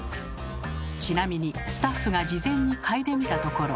ちなみにスタッフが事前に嗅いでみたところ。